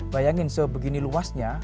bayangin sebegini luasnya